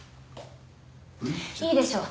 いいでしょう。